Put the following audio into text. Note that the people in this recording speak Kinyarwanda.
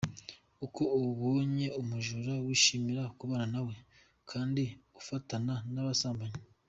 Uko ubonye umujura wishimira kubana na we, Kandi ufatana n’abasambanyi.